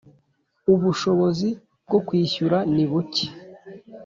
ubushobozi bwo kwishyura nibuke.